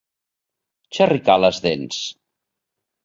Xerricar les dents.